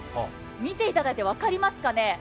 見ていただいて分かりますかね？